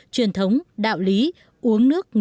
truyền thống đạo lý uống nước nhớ nguồn đã được kết tinh